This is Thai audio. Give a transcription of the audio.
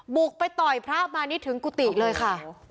บุกไปต่อยพระมานิดถึงกุฏิเลยค่ะ